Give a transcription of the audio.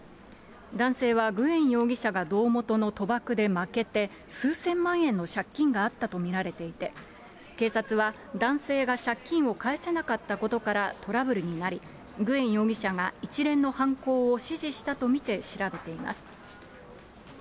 男性はグエン容疑者が胴元の賭博で負けて、数千万円の借金があったと見られていて、警察は男性が借金を返せなかったことからトラブルになり、グエン容疑者が一連の犯行を指示したと見て調べています。